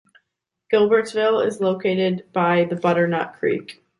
Gilbertsville is located by the Butternut Creek.